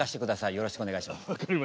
よろしくお願いします。